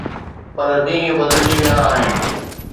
پر ڏينهن بدلجي ويا آهن.